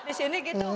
di sini gitu